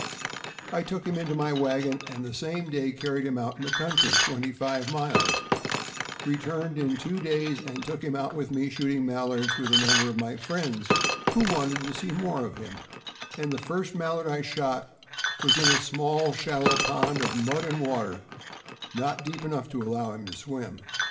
" I took him into my wagon the same day and carried him out into the country twenty five miles; returned in two days; took him out with me shooting mallards with a number of my friends, who wanted to see more of him; and the first mallard I shot was in a small, shallow pond of mud and water, not deep enough to allow him to swim.